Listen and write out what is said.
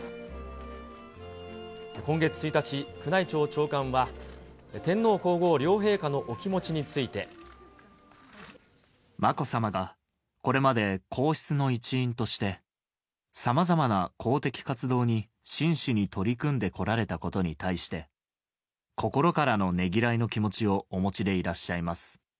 今月１日、宮内庁長官は、天皇皇后両陛下のお気持ちについて。まこさまがこれまで皇室の一員として、さまざまな公的活動に真摯に取り組んでこられたことに対して、心からのねぎらいの気持ちをお持ちでいらっしゃいます。